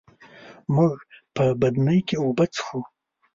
موږ په بدنۍ کي اوبه څښو.